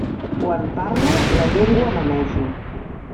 Quan parlo, la llengua manejo.